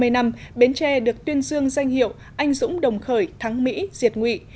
năm mươi năm bến tre được tuyên dương danh hiệu anh dũng đồng khởi thắng mỹ diệt nguyện